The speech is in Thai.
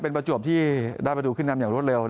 เป็นประจวบที่ได้ประตูขึ้นนำอย่างรวดเร็ว